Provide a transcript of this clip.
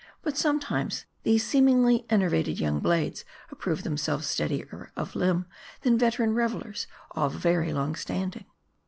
But, sometimes these seemingly enervated young blades approve themselves steadier of lirnb, than veteran revelers of very long standing.